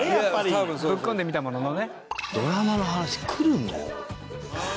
ぶっ込んでみたもののね。